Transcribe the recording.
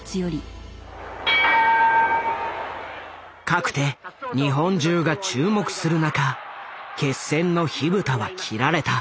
かくて日本中が注目する中決戦の火蓋は切られた。